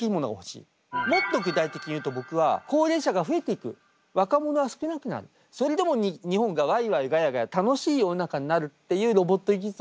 もっと具体的に言うと僕は高齢者が増えていく若者は少なくなるそれでも日本がワイワイガヤガヤ楽しい世の中になるっていうロボット技術を作っていきたい。